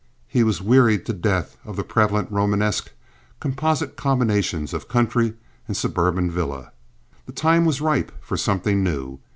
He was wearied to death of the prevalent Romanesque composite combinations of country and suburban villa. The time was ripe for something new.